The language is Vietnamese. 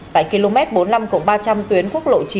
tại km bốn mươi năm ba trăm linh tuyến quốc lộ chín